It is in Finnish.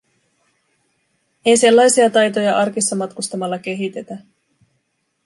Ei sellaisia taitoja arkissa matkustamalla kehitetä.